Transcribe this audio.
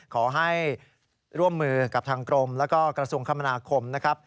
ขอให้ร่วมมือกับทางกรมแล้วก็กระทรวงคมนาคมนะครับ